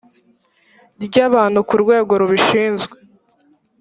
ry abantu ku rwego rubishinzwe